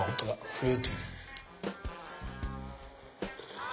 フルーティー。